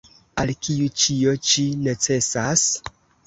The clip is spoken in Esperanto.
Al kiu ĉio ĉi necesas?